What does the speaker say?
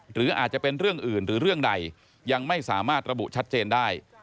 หรืออาจจะเป็นเรื่องอื่นหรือเรื่องใดยังไม่สามารถระบุชัดเจนได้